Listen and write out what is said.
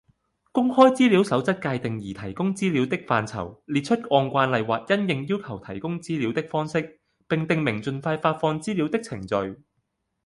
公開資料守則界定擬提供資料的範疇，列出按慣例或因應要求提供資料的方式，並訂明盡快發放資料的程序